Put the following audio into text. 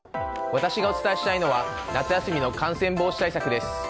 私がお伝えしたいのは夏休みの感染防止対策です。